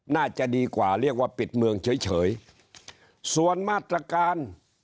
น่าจะดีกว่าเรียกว่าปิดเมืองเฉยเฉยส่วนมาตรการ